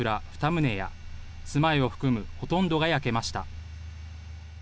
２棟や、住まいを含むほとんどが焼けました。